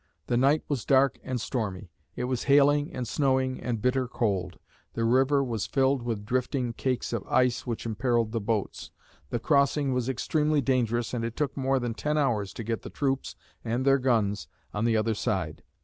The night was dark and stormy. It was hailing and snowing and bitter cold. The river was filled with drifting cakes of ice, which imperiled the boats. The crossing was extremely dangerous and it took more than ten hours to get the troops and their guns on the other side.